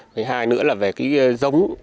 cái hai nữa là về cái giống